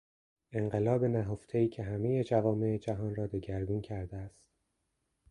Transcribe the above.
انقلاب نهفتهای که همهی جوامع جهان را دگرگون کرده است